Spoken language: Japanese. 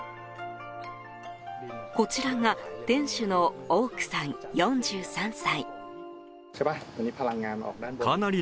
こちらが店主のオークさん４３歳。